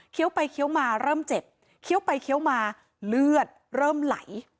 ไปเคี้ยวมาเริ่มเจ็บเคี้ยวไปเคี้ยวมาเลือดเริ่มไหล